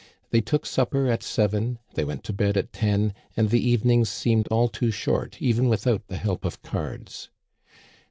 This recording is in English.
They took supper at seven, they went to bed at ten, and the evenings seemed all too short even without the help of cards.